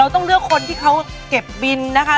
ต้องเลือกคนที่เขาเก็บบินนะคะ